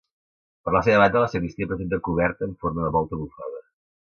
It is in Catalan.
Per la seva banda la sagristia presenta coberta en forma de Volta bufada.